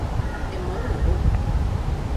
En modo ningún.